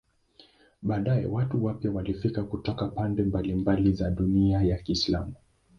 Baadaye watu wapya walifika kutoka pande mbalimbali za dunia ya Kiislamu.